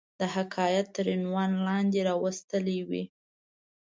د حکایت تر عنوان لاندي را وستلې وي.